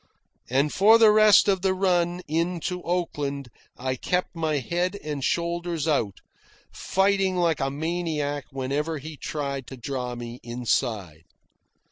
And for the rest of the run in to Oakland I kept my head and shoulders out, fighting like a maniac whenever he tried to draw me inside.